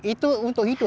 itu untuk hidup